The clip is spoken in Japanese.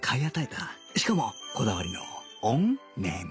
しかもこだわりのオンネーム！